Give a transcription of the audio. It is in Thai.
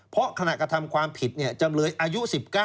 เพราะขณะกระทำความผิดจำเลยอายุ๑๙